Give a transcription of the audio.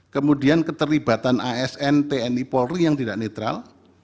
kemudian keterlibatan asn tni polri yang tidak netral